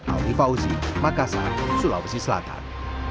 alifauzi makassar sulawesi selatan